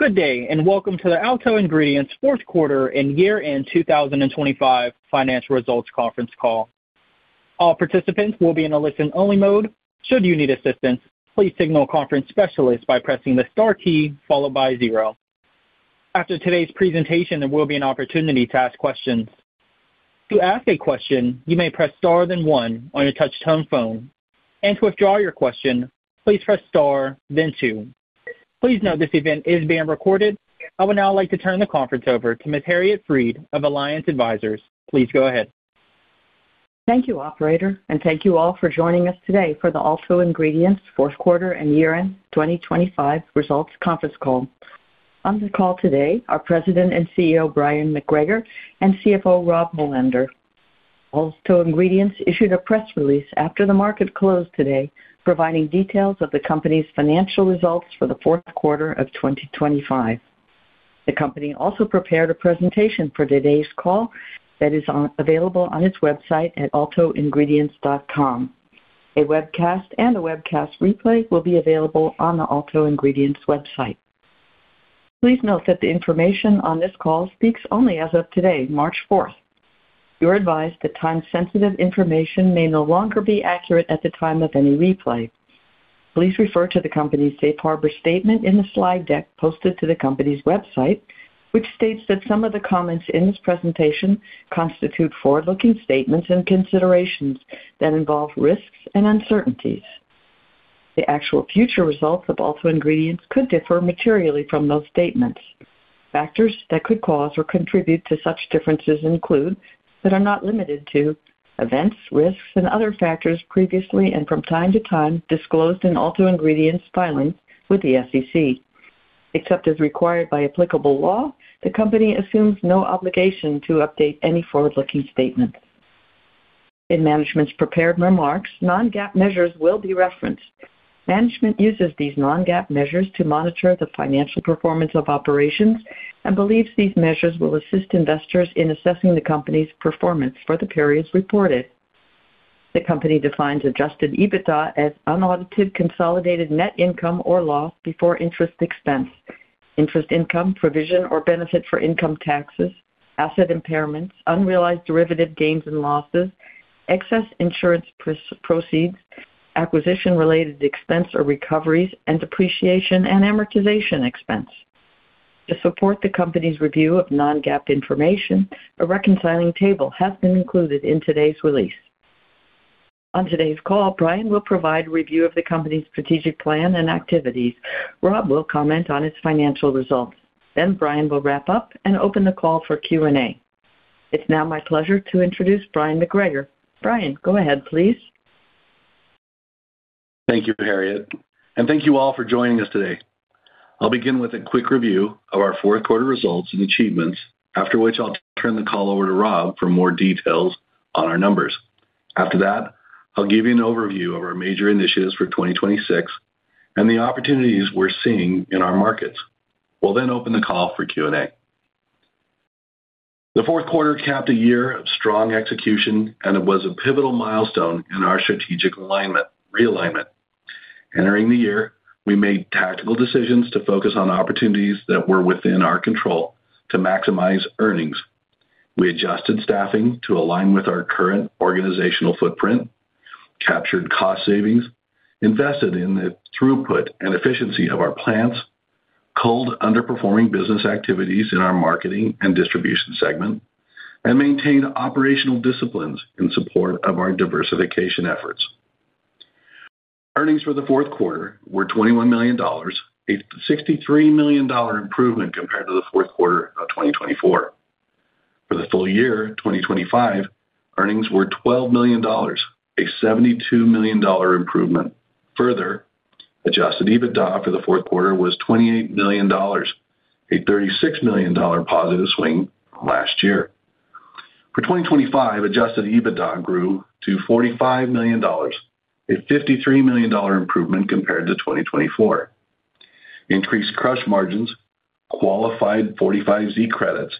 Good day, welcome to the Alto Ingredients fourth quarter and year-end 2025 financial results conference call. All participants will be in a listen-only mode. Should you need assistance, please signal a conference specialist by pressing the star key followed by zero. After today's presentation, there will be an opportunity to ask questions. To ask a question, you may press star then one on your touch-tone phone. To withdraw your question, please press star then two. Please note this event is being recorded. I would now like to turn the conference over to Ms. Harriet Fried of Alliance Advisors. Please go ahead. Thank you, operator, thank you all for joining us today for the Alto Ingredients fourth quarter and year-end 2025 results conference call. On the call today are President and CEO Bryon McGregor and CFO Rob Olander. Alto Ingredients issued a press release after the market closed today, providing details of the company's financial results for the fourth quarter of 2025. The company also prepared a presentation for today's call that is available on its website at altoingredients.com. A webcast and a webcast replay will be available on the Alto Ingredients website. Please note that the information on this call speaks only as of today, March 4th. You're advised that time-sensitive information may no longer be accurate at the time of any replay. Please refer to the company's safe harbor statement in the slide deck posted to the company's website, which states that some of the comments in this presentation constitute forward-looking statements and considerations that involve risks and uncertainties. The actual future results of Alto Ingredients could differ materially from those statements. Factors that could cause or contribute to such differences include, but are not limited to, events, risks, and other factors previously and from time to time disclosed in Alto Ingredients filings with the SEC. Except as required by applicable law, the company assumes no obligation to update any forward-looking statement. In management's prepared remarks, non-GAAP measures will be referenced. Management uses these non-GAAP measures to monitor the financial performance of operations and believes these measures will assist investors in assessing the company's performance for the periods reported. The company defines adjusted EBITDA as unaudited consolidated net income or loss before interest expense, interest income, provision or benefit for income taxes, asset impairments, unrealized derivative gains and losses, excess insurance proceeds, acquisition-related expense or recoveries, and depreciation and amortization expense. To support the company's review of non-GAAP information, a reconciling table has been included in today's release. On today's call, Bryon will provide a review of the company's strategic plan and activities. Rob will comment on its financial results. Bryon will wrap up and open the call for Q&A. It's now my pleasure to introduce Bryon McGregor. Bryon, go ahead please. Thank you, Harriet. Thank you all for joining us today. I'll begin with a quick review of our fourth quarter results and achievements, after which I'll turn the call over to Rob for more details on our numbers. After that, I'll give you an overview of our major initiatives for 2026 and the opportunities we're seeing in our markets. We'll then open the call for Q&A. The fourth quarter capped a year of strong execution, and it was a pivotal milestone in our strategic realignment. Entering the year, we made tactical decisions to focus on opportunities that were within our control to maximize earnings. We adjusted staffing to align with our current organizational footprint, captured cost savings, invested in the throughput and efficiency of our plants, culled underperforming business activities in our marketing and distribution segment, and maintained operational disciplines in support of our diversification efforts. Earnings for the fourth quarter were $21 million, a $63 million improvement compared to the fourth quarter of 2024. For the full year 2025, earnings were $12 million, a $72 million improvement. Adjusted EBITDA for the fourth quarter was $28 million, a $36 million positive swing from last year. For 2025, adjusted EBITDA grew to $45 million, a $53 million improvement compared to 2024. Increased crush margins, qualified 45Z credits,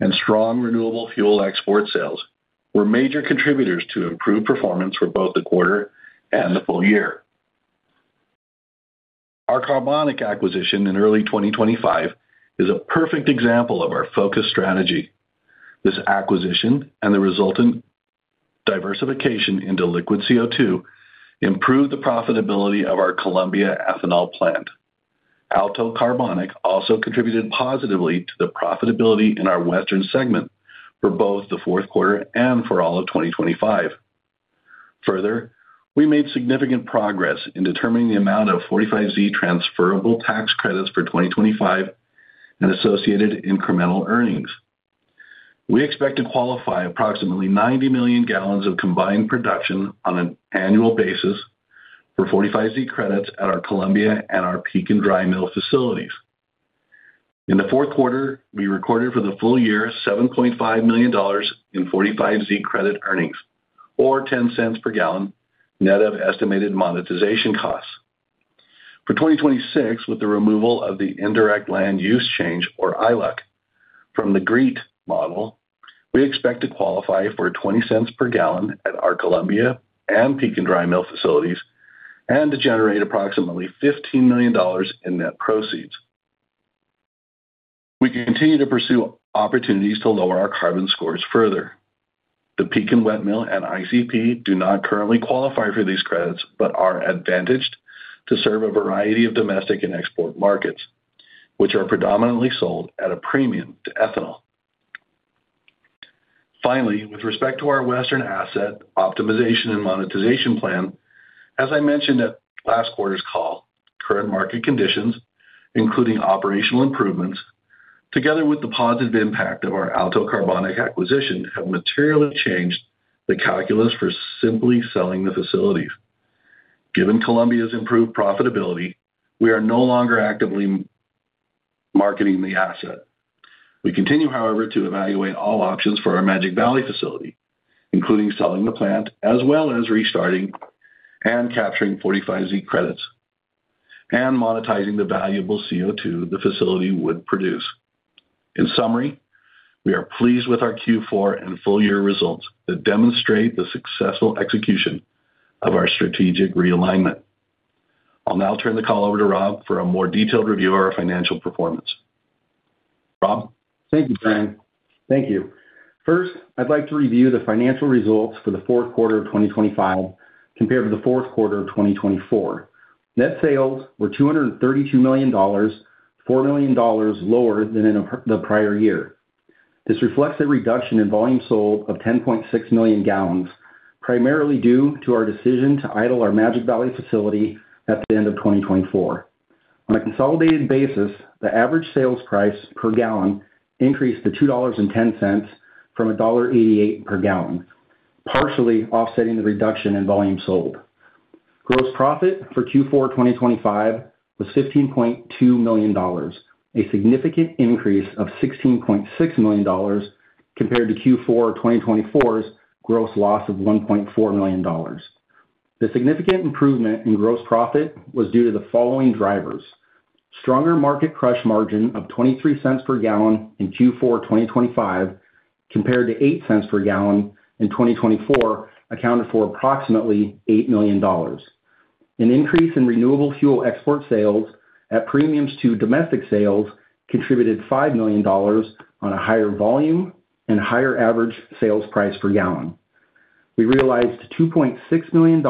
and strong renewable fuel export sales were major contributors to improved performance for both the quarter and the full year. Our Carbonic acquisition in early 2025 is a perfect example of our focused strategy. This acquisition and the resultant diversification into liquid CO2 improved the profitability of our Columbia ethanol plant. Alto Carbonic also contributed positively to the profitability in our Western segment for both the fourth quarter and for all of 2025. We made significant progress in determining the amount of 45Z transferable tax credits for 2025 and associated incremental earnings. We expect to qualify approximately 90 million gallons of combined production on an annual basis for 45Z credits at our Columbia and our Pekin Dry Mill facilities. In the fourth quarter, we recorded for the full year $7.5 million in 45Z credit earnings or $0.10 per gallon net of estimated monetization costs. For 2026, with the removal of the indirect land use change or ILUC from the GREET model, we expect to qualify for $0.20 per gallon at our Columbia and Pekin Dry Mill facilities and to generate approximately $15 million in net proceeds. We continue to pursue opportunities to lower our carbon scores further. The Pekin Wet Mill and ICP do not currently qualify for these credits, but are advantaged to serve a variety of domestic and export markets, which are predominantly sold at a premium to ethanol. With respect to our Western asset optimization and monetization plan, as I mentioned at last quarter's call, current market conditions, including operational improvements, together with the positive impact of our Alto Carbonic acquisition, have materially changed the calculus for simply selling the facilities. Given Columbia's improved profitability, we are no longer actively marketing the asset. We continue, however, to evaluate all options for our Magic Valley facility, including selling the plant, as well as restarting and capturing 45Z credits and monetizing the valuable CO2 the facility would produce. In summary, we are pleased with our Q4 and full year results that demonstrate the successful execution of our strategic realignment. I'll now turn the call over to Rob for a more detailed review of our financial performance. Rob? Thank you, Bryon. Thank you. First, I'd like to review the financial results for the fourth quarter of 2025 compared to the fourth quarter of 2024. Net sales were $232 million, $4 million lower than in the prior year. This reflects a reduction in volume sold of 10.6 million gallons, primarily due to our decision to idle our Magic Valley facility at the end of 2024. On a consolidated basis, the average sales price per gallon increased to $2.10 from $1.88 per gallon, partially offsetting the reduction in volume sold. Gross profit for Q4 2025 was $15.2 million, a significant increase of $16.6 million compared to Q4 2024's gross loss of $1.4 million. The significant improvement in gross profit was due to the following drivers. Stronger market crush margin of $0.23 per gallon in Q4 2025 compared to $0.08 per gallon in 2024 accounted for approximately $8 million. An increase in renewable fuel export sales at premiums to domestic sales contributed $5 million on a higher volume and higher average sales price per gallon. We realized $2.6 million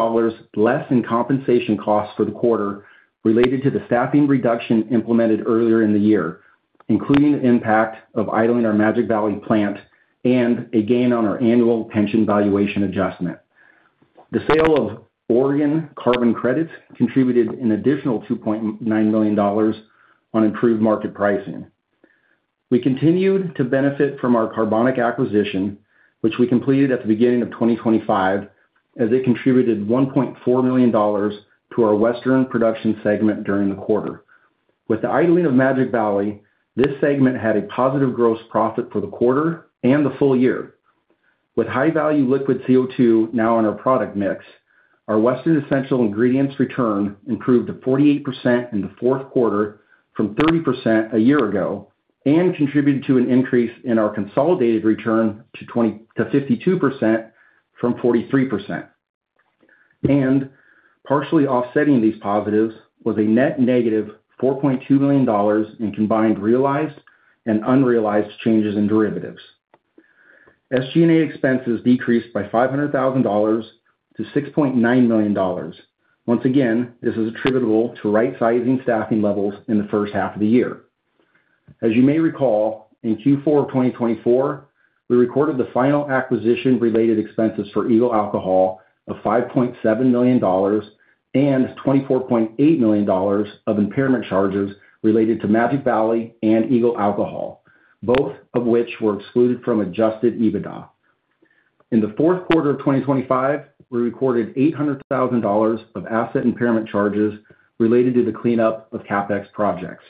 less in compensation costs for the quarter related to the staffing reduction implemented earlier in the year, including the impact of idling our Magic Valley plant and a gain on our annual pension valuation adjustment. The sale of Oregon carbon credits contributed an additional $2.9 million on improved market pricing. We continued to benefit from our Carbonic acquisition, which we completed at the beginning of 2025, as it contributed $1.4 million to our Western production segment during the quarter. With the idling of Magic Valley, this segment had a positive gross profit for the quarter and the full year. With high-value liquid CO2 now in our product mix, our Western essential ingredients return improved to 48% in the fourth quarter from 30% a year ago and contributed to an increase in our consolidated return to 52% from 43%. Partially offsetting these positives was a net -$4.2 million in combined realized and unrealized changes in derivatives. SG&A expenses decreased by $500,000 to $6.9 million. Once again, this is attributable to right-sizing staffing levels in the first half of the year. As you may recall, in Q4 of 2024, we recorded the final acquisition-related expenses for Eagle Alcohol of $5.7 million and $24.8 million of impairment charges related to Magic Valley and Eagle Alcohol, both of which were excluded from adjusted EBITDA. In the fourth quarter of 2025, we recorded $800,000 of asset impairment charges related to the cleanup of CapEx projects.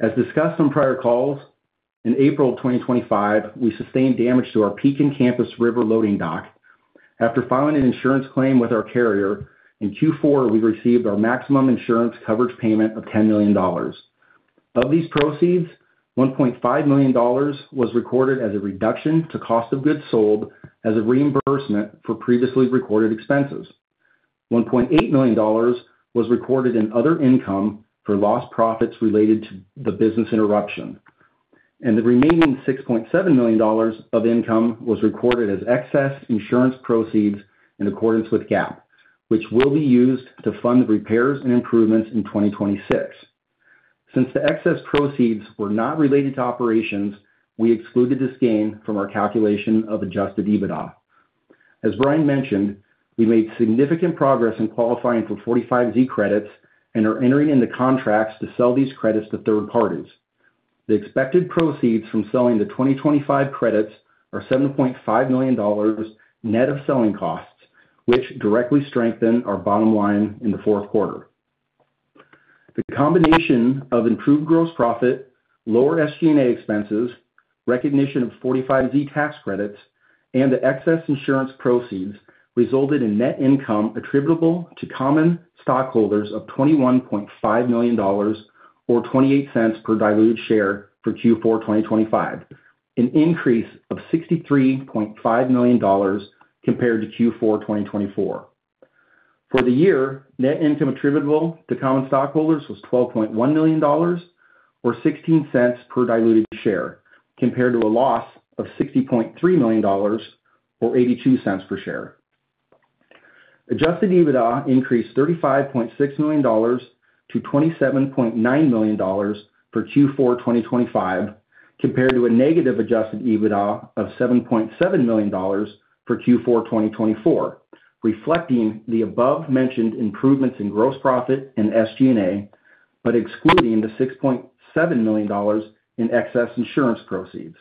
As discussed on prior calls, in April of 2025, we sustained damage to our Pekin campus river loading dock. After filing an insurance claim with our carrier, in Q4, we received our maximum insurance coverage payment of $10 million. Of these proceeds, $1.5 million was recorded as a reduction to cost of goods sold as a reimbursement for previously recorded expenses. $1.8 million was recorded in other income for lost profits related to the business interruption. The remaining $6.7 million of income was recorded as excess insurance proceeds in accordance with GAAP, which will be used to fund repairs and improvements in 2026. Since the excess proceeds were not related to operations, we excluded this gain from our calculation of adjusted EBITDA. As Bryon mentioned, we made significant progress in qualifying for 45Z credits and are entering into contracts to sell these credits to third parties. The expected proceeds from selling the 2025 credits are $7.5 million net of selling costs, which directly strengthen our bottom line in the fourth quarter. The combination of improved gross profit, lower SG&A expenses, recognition of 45Z tax credits-And the excess insurance proceeds resulted in net income attributable to common stockholders of $21.5 million, or $0.28 per diluted share for Q4 2025, an increase of $63.5 million compared to Q4 2024. For the year, net income attributable to common stockholders was $12.1 million or $0.16 per diluted share, compared to a loss of $60.3 million or $0.82 per share. Adjusted EBITDA increased $35.6 million to $27.9 million for Q4 2025 compared to a negative adjusted EBITDA of $7.7 million for Q4 2024, reflecting the above-mentioned improvements in gross profit and SG&A, but excluding the $6.7 million in excess insurance proceeds.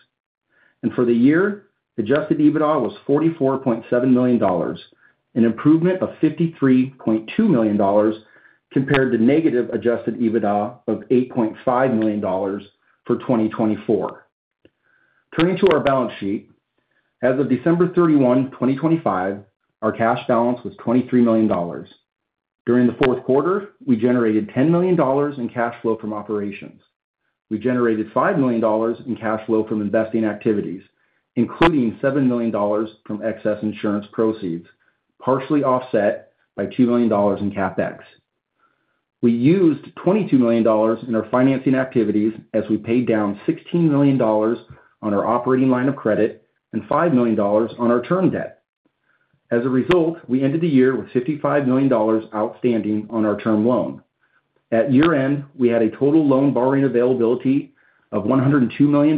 For the year, adjusted EBITDA was $44.7 million, an improvement of $53.2 million compared to negative adjusted EBITDA of $8.5 million for 2024. Turning to our balance sheet. As of December 31, 2025, our cash balance was $23 million. During the fourth quarter, we generated $10 million in cash flow from operations. We generated $5 million in cash flow from investing activities, including $7 million from excess insurance proceeds, partially offset by $2 million in CapEx. We used $22 million in our financing activities as we paid down $16 million on our operating line of credit and $5 million on our term debt. As a result, we ended the year with $55 million outstanding on our term loan. At year-end, we had a total loan borrowing availability of $102 million,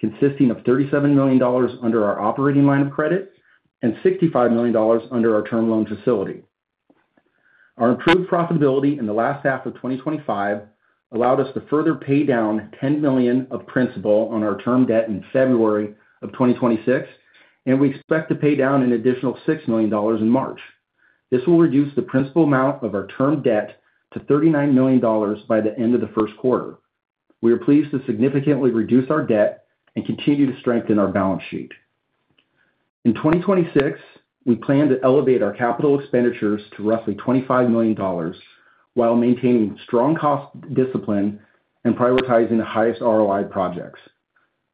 consisting of $37 million under our operating line of credit and $65 million under our term loan facility. Our improved profitability in the last half of 2025 allowed us to further pay down $10 million of principal on our term debt in February of 2026, and we expect to pay down an additional $6 million in March. This will reduce the principal amount of our term debt to $39 million by the end of the first quarter. We are pleased to significantly reduce our debt and continue to strengthen our balance sheet. In 2026, we plan to elevate our capital expenditures to roughly $25 million while maintaining strong cost discipline and prioritizing the highest ROI projects.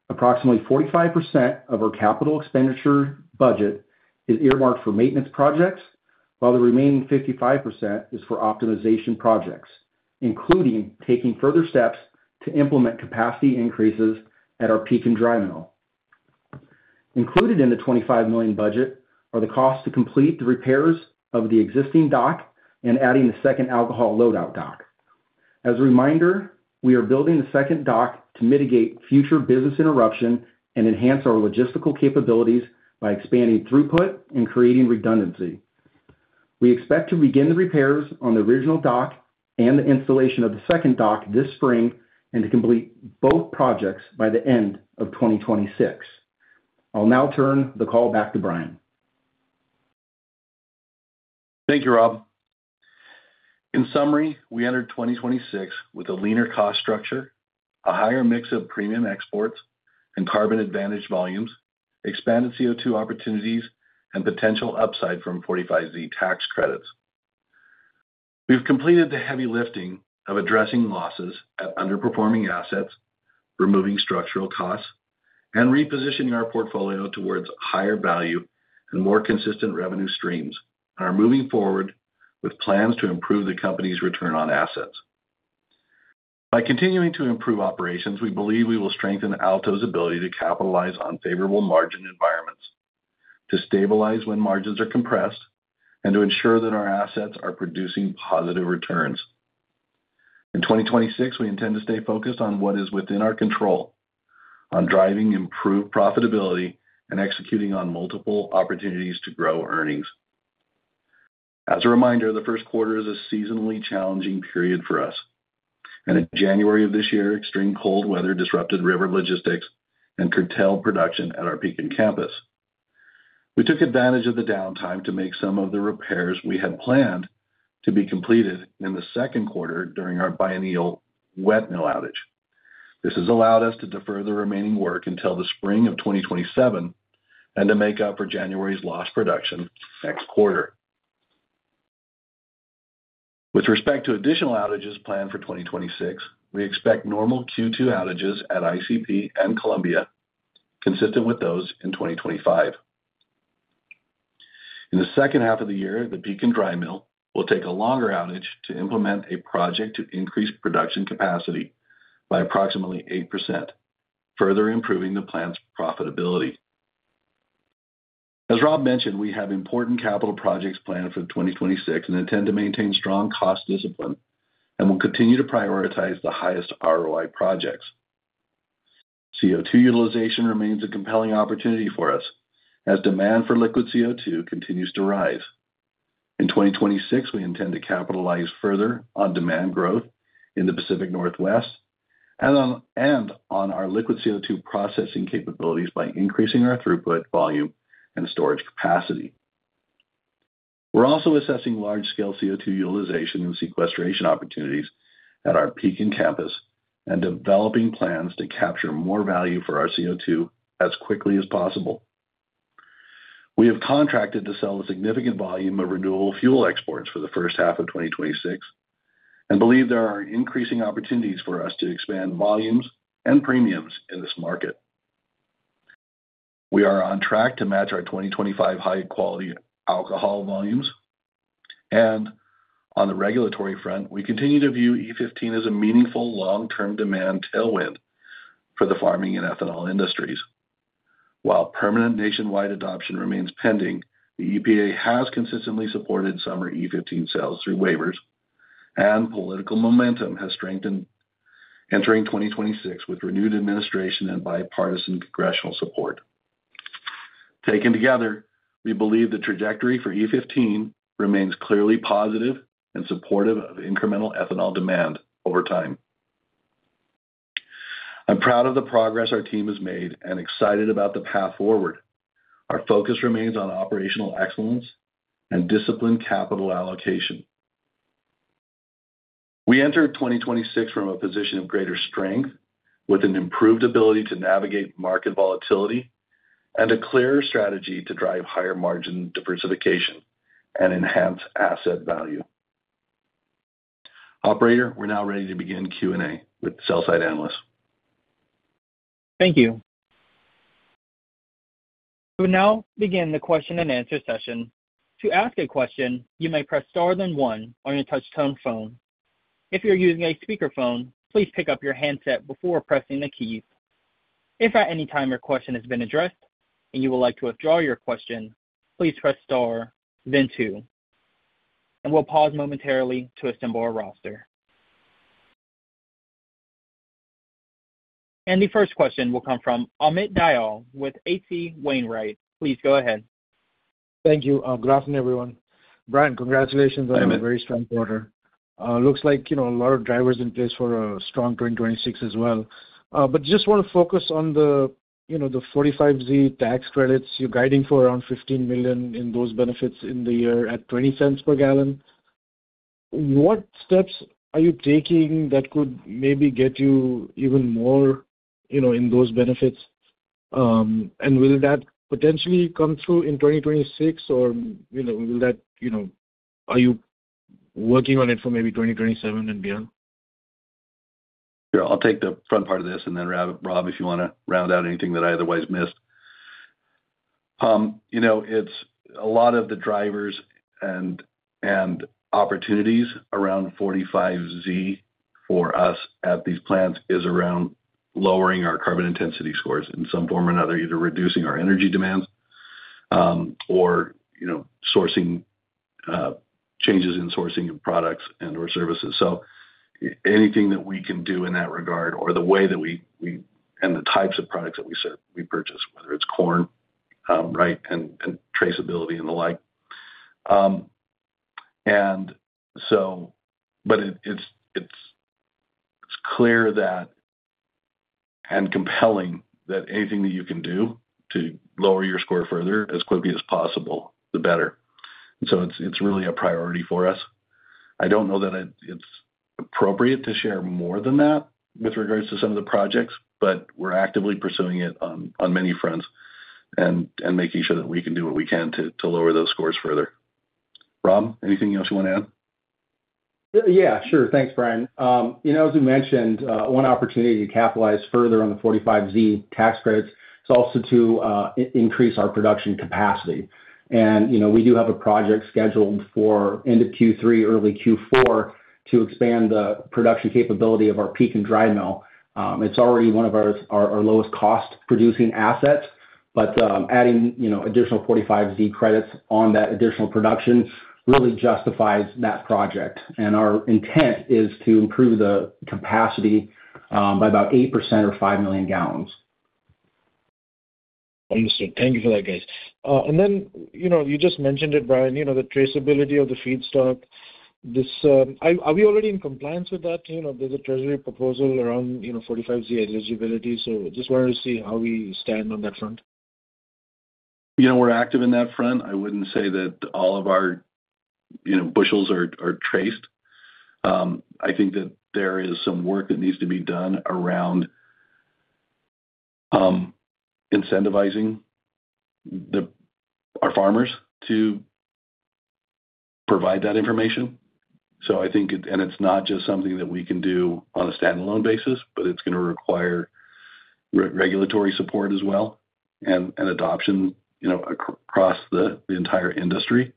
Approximately 45% of our capital expenditure budget is earmarked for maintenance projects, while the remaining 55% is for optimization projects, including taking further steps to implement capacity increases at our Pekin Dry Mill. Included in the $25 million budget are the cost to complete the repairs of the existing dock and adding the second alcohol load-out dock. As a reminder, we are building the second dock to mitigate future business interruption and enhance our logistical capabilities by expanding throughput and creating redundancy. We expect to begin the repairs on the original dock and the installation of the second dock this spring and to complete both projects by the end of 2026. I'll now turn the call back to Bryon. Thank you, Rob. In summary, we entered 2026 with a leaner cost structure, a higher mix of premium exports and carbon advantage volumes, expanded CO2 opportunities, and potential upside from 45Z tax credits. We've completed the heavy lifting of addressing losses at underperforming assets, removing structural costs, and repositioning our portfolio towards higher value and more consistent revenue streams, and are moving forward with plans to improve the company's return on assets. By continuing to improve operations, we believe we will strengthen Alto's ability to capitalize on favorable margin environments, to stabilize when margins are compressed, and to ensure that our assets are producing positive returns. In 2026, we intend to stay focused on what is within our control, on driving improved profitability and executing on multiple opportunities to grow earnings. As a reminder, the first quarter is a seasonally challenging period for us. In January of this year, extreme cold weather disrupted river logistics and curtailed production at our Pekin campus. We took advantage of the downtime to make some of the repairs we had planned to be completed in the second quarter during our biennial wet mill outage. This has allowed us to defer the remaining work until the spring of 2027 and to make up for January's lost production next quarter. With respect to additional outages planned for 2026, we expect normal Q2 outages at ICP and Columbia, consistent with those in 2025. In the second half of the year, the Pekin Dry Mill will take a longer outage to implement a project to increase production capacity by approximately 8%, further improving the plant's profitability. As Rob mentioned, we have important capital projects planned for 2026 and intend to maintain strong cost discipline and will continue to prioritize the highest ROI projects. CO2 utilization remains a compelling opportunity for us as demand for liquid CO2 continues to rise. In 2026, we intend to capitalize further on demand growth in the Pacific Northwest and on our liquid CO2 processing capabilities by increasing our throughput volume and storage capacity. We're also assessing large-scale CO2 utilization and sequestration opportunities at our Pekin campus and developing plans to capture more value for our CO2 as quickly as possible. We have contracted to sell a significant volume of renewable fuel exports for the first half of 2026 and believe there are increasing opportunities for us to expand volumes and premiums in this market. We are on track to match our 2025 high-quality alcohol volumes. On the regulatory front, we continue to view E15 as a meaningful long-term demand tailwind for the farming and ethanol industries. While permanent nationwide adoption remains pending, the EPA has consistently supported summer E15 sales through waivers, and political momentum has strengthened entering 2026 with renewed administration and bipartisan congressional support. Taken together, we believe the trajectory for E15 remains clearly positive and supportive of incremental ethanol demand over time. I'm proud of the progress our team has made and excited about the path forward. Our focus remains on operational excellence and disciplined capital allocation. We enter 2026 from a position of greater strength with an improved ability to navigate market volatility and a clearer strategy to drive higher margin diversification and enhance asset value. Operator, we're now ready to begin Q&A with sell-side analysts. Thank you. We'll now begin the question-and-answer session. To ask a question, you may press star then one on your touch-tone phone. If you're using a speakerphone, please pick up your handset before pressing the key. If at any time your question has been addressed and you would like to withdraw your question, please press star then two. We'll pause momentarily to assemble our roster. The first question will come from Amit Dayal with H.C. Wainwright. Please go ahead. Thank you. Good afternoon, everyone. Bryon, congratulations. Hi, Amit. on a very strong quarter. looks like, you know, a lot of drivers in place for a strong 2026 as well. just wanna focus on the, you know, the 45Z tax credits. You're guiding for around $15 million in those benefits in the year at $0.20 per gallon. What steps are you taking that could maybe get you even more, you know, in those benefits? Will that potentially come through in 2026 or, you know, are you working on it for maybe 2027 and beyond? Sure. I'll take the front part of this, and then Rob, if you wanna round out anything that I otherwise missed. You know, it's a lot of the drivers and opportunities around 45Z for us at these plants is around lowering our carbon intensity scores in some form or another, either reducing our energy demands, or you know, sourcing changes in sourcing of products and/or services. Anything that we can do in that regard or the way that we and the types of products that we said we purchase, whether it's corn, right, and traceability and the like. It's, it's clear that, and compelling that anything that you can do to lower your score further as quickly as possible, the better. It's, it's really a priority for us. I don't know that it's appropriate to share more than that with regards to some of the projects. We're actively pursuing it on many fronts and making sure that we can do what we can to lower those scores further. Rob, anything else you wanna add? Yeah, sure. Thanks, Bryon. You know, as we mentioned, one opportunity to capitalize further on the 45Z tax credits is also to increase our production capacity. You know, we do have a project scheduled for end of Q3, early Q4 to expand the production capability of our Pekin Dry Mill. It's already one of our lowest cost producing assets, but, adding, you know, additional 45Z credits on that additional production really justifies that project. Our intent is to improve the capacity by about 8% or 5 million gallons. Understood. Thank you for that, guys. You know, you just mentioned it, Bryon, you know, the traceability of the feedstock. Are we already in compliance with that? You know, there's a treasury proposal around, you know, 45Z eligibility. Just wanted to see how we stand on that front. You know, we're active in that front. I wouldn't say that all of our, you know, bushels are traced. I think that there is some work that needs to be done around incentivizing the, our farmers to provide that information. I think it's not just something that we can do on a standalone basis, but it's gonna require re-regulatory support as well and an adoption, you know, across the entire industry.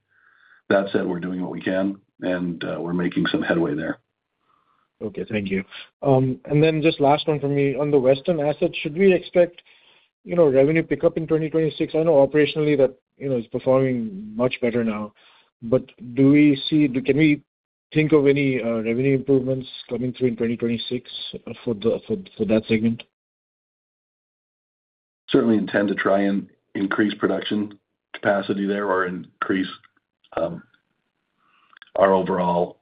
That said, we're doing what we can, and we're making some headway there. Okay. Thank you. Just last one for me. On the Western asset, should we expect, you know, revenue pickup in 2026? I know operationally that, you know, it's performing much better now. Can we think of any revenue improvements coming through in 2026 for that segment? Certainly intend to try and increase production capacity there or increase, our overall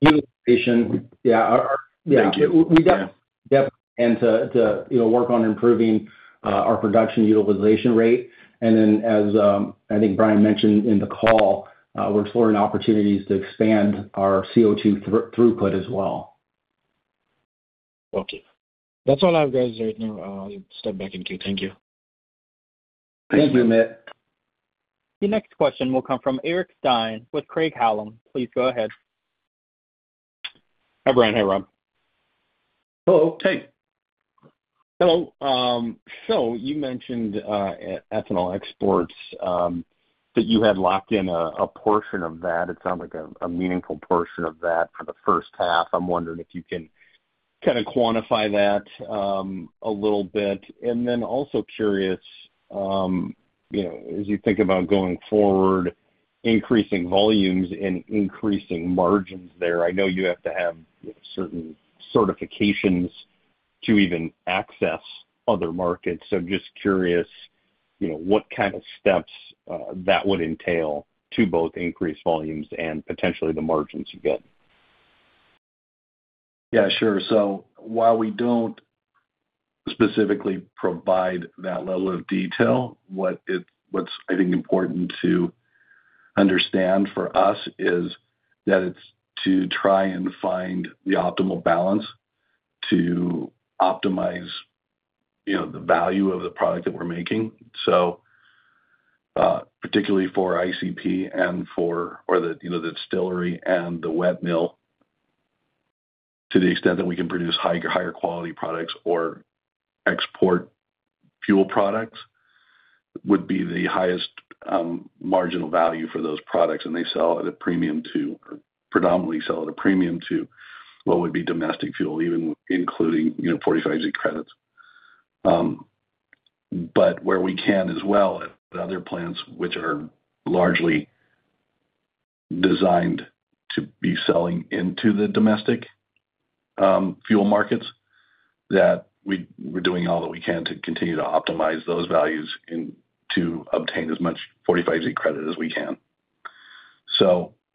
utilization. Yeah. Yeah. Thank you. To, you know, work on improving our production utilization rate. Then as I think Bryon mentioned in the call, we're exploring opportunities to expand our CO2 throughput as well. Okay. That's all I have, guys right now. I'll step back into thank you. Thank you, Matt. The next question will come from Eric Stine with Craig-Hallum. Please go ahead. Hi, Bryon. Hi, Rob. Hello, Eric. Hello. You mentioned ethanol exports, that you had locked in a portion of that. It sounded like a meaningful portion of that for the first half. I'm wondering if you can kinda quantify that a little bit. Also curious, you know, as you think about going forward, increasing volumes and increasing margins there. I know you have to have certain certifications to even access other markets. Just curious, you know, what kind of steps that would entail to both increase volumes and potentially the margins you get. Yeah, sure. While we don't specifically provide that level of detail, what's I think important to understand for us is that it's to try and find the optimal balance to optimize, you know, the value of the product that we're making. Particularly for ICP or the, you know, the distillery and the wet mill, to the extent that we can produce high, higher quality products or export fuel products would be the highest marginal value for those products. They sell at a premium predominantly sell at a premium to what would be domestic fuel, even including, you know, 45Z credits. But where we can as well at other plants which are largely designed to be selling into the domestic fuel markets, that we're doing all that we can to continue to optimize those values and to obtain as much 45Z credit as we can.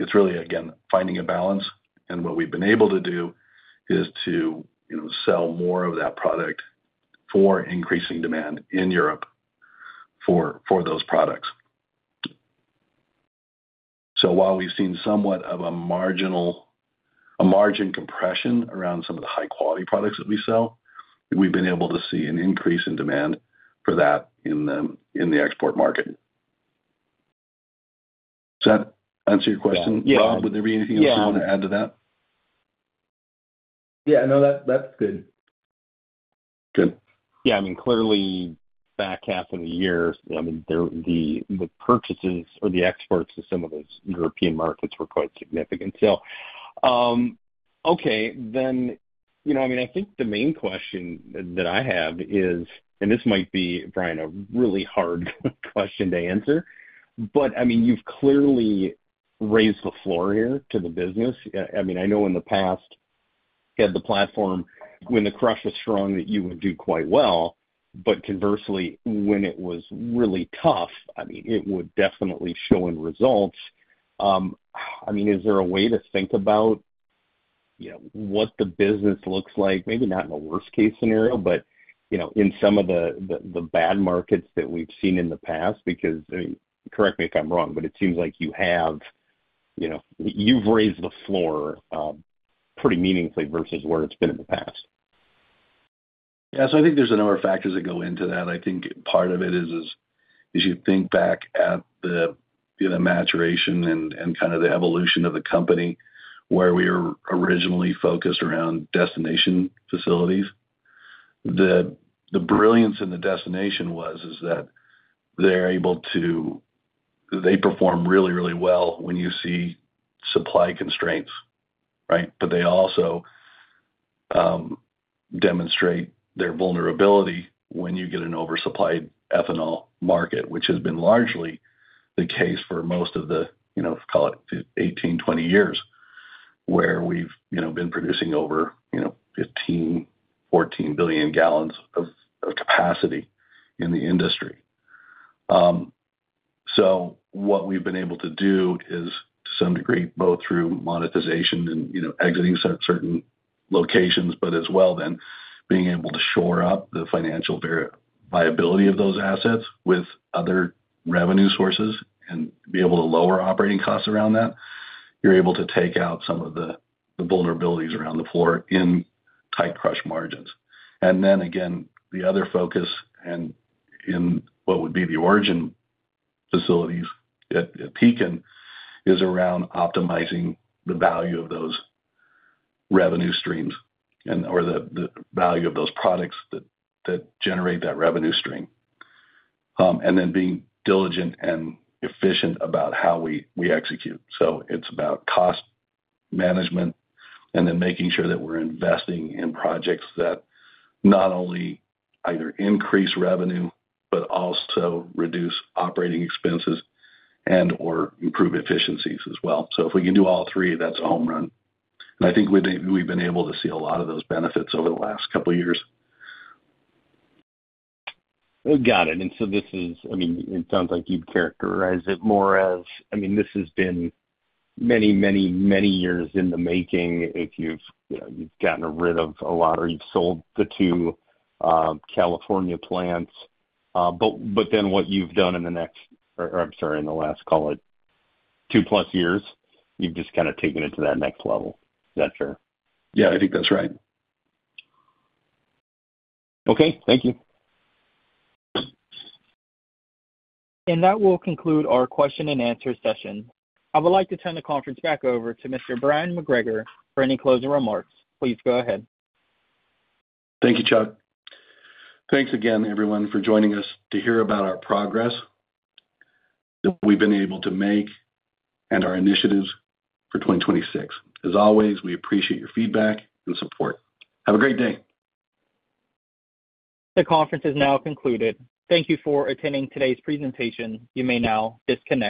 It's really, again, finding a balance. What we've been able to do is to, you know, sell more of that product for increasing demand in Europe for those products. While we've seen somewhat of a margin compression around some of the high-quality products that we sell, we've been able to see an increase in demand for that in the, in the export market. Does that answer your question? Yeah. Rob, would there be anything else you want to add to that? Yeah, no, that's good. Good. Yeah. I mean, clearly back half of the year, I mean, the purchases or the exports to some of those European markets were quite significant. Okay. You know, I mean, I think the main question that I have is, and this might be, Bryon, a really hard question to answer, but, I mean, you've clearly raised the floor here to the business. I mean, I know in the past you had the platform when the crush was strong that you would do quite well, but conversely when it was really tough, I mean, it would definitely show in results. I mean, is there a way to think about, you know, what the business looks like? Maybe not in a worst-case scenario, but, you know, in some of the bad markets that we've seen in the past. I mean, correct me if I'm wrong, but it seems like you have, you know, you've raised the floor, pretty meaningfully versus where it's been in the past. Yeah. I think there's a number of factors that go into that. I think part of it is as you think back at the, you know, maturation and kind of the evolution of the company, where we were originally focused around destination facilities. The brilliance in the destination was that they're able to perform really well when you see supply constraints, right? They also demonstrate their vulnerability when you get an oversupplied ethanol market, which has been largely the case for most of the, you know, call it 18, 20 years, where we've, you know, been producing over, you know, 15, 14 billion gallons of capacity in the industry. What we've been able to do is, to some degree, both through monetization and, you know, exiting certain locations, but as well then being able to shore up the financial viability of those assets with other revenue sources and be able to lower operating costs around that, you're able to take out some of the vulnerabilities around the floor in tight crush margins. Then again, the other focus in what would be the origin facilities at Pekin is around optimizing the value of those revenue streams or the value of those products that generate that revenue stream. Then being diligent and efficient about how we execute. It's about cost management and then making sure that we're investing in projects that not only either increase revenue but also reduce operating expenses and/or improve efficiencies as well. If we can do all three, that's a home run. I think we've been able to see a lot of those benefits over the last couple years. Got it. I mean, it sounds like you'd characterize it more as I mean, this has been many, many, many years in the making. If you've, you know, you've gotten rid of a lot or you've sold the two California plants. But then what you've done in the next or I'm sorry, in the last, call it two plus years, you've just kind of taken it to that next level. Is that fair? Yeah, I think that's right. Okay. Thank you. That will conclude our question and answer session. I would like to turn the conference back over to Mr. Bryon McGregor for any closing remarks. Please go ahead. Thank you, Chuck. Thanks again, everyone, for joining us to hear about our progress that we've been able to make and our initiatives for 2026. As always, we appreciate your feedback and support. Have a great day. The conference is now concluded. Thank you for attending today's presentation. You may now disconnect.